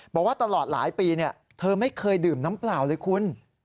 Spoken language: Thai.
บอกว่าตลอดหลายปีเธอไม่เคยดื่มน้ำเปล่าเลยคุณ